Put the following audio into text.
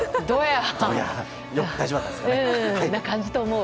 そんな感じだと思う。